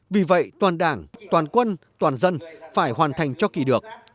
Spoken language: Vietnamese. vì vậy toàn đảng toàn quân toàn dân phải hoàn thành cho kỳ được